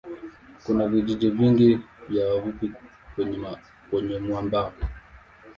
Kuna vijiji vingi vya wavuvi kwenye mwambao.